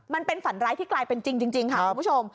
มันเป็นฝันร้ายที่กลายเป็นจริงค่ะคุณผู้ชม